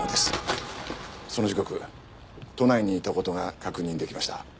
その時刻都内にいた事が確認できました。